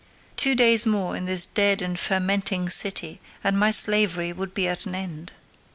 Two days more in this dead and fermenting city and my slavery would be at an end.